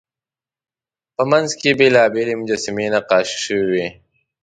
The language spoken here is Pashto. په منځ کې یې بېلابېلې مجسمې نقاشي شوې وې.